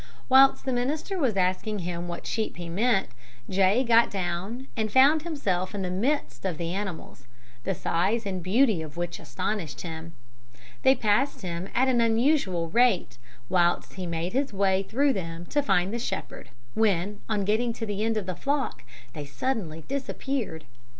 Whilst the minister was asking him what sheep he meant, J. got down and found himself in the midst of the animals, the size and beauty of which astonished him. They passed him at an unusual rate, whilst he made his way through them to find the shepherd; when, on getting to the end of the flock, they suddenly disappeared.